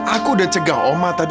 aku udah cegah oma tadi